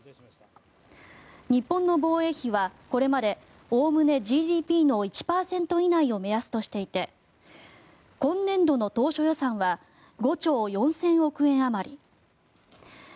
日本の防衛費はこれまでおおむねＧＤＰの１％以内を目安としていて今年度の当初予算は５兆４０００億円あまり。